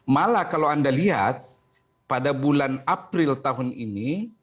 malah kalau anda lihat pada bulan april tahun ini